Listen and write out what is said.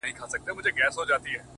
o مُريد ښه دی ملگرو او که پير ښه دی؛